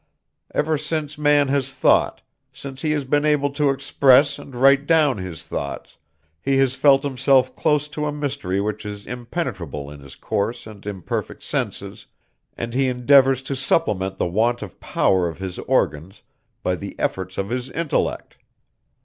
Ever since man has thought, since he has been able to express and write down his thoughts, he has felt himself close to a mystery which is impenetrable to his coarse and imperfect senses, and he endeavors to supplement the want of power of his organs by the efforts of his intellect.